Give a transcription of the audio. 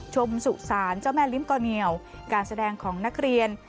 สุสานเจ้าแม่ลิ้มก่อเหนียวการแสดงของนักเรียน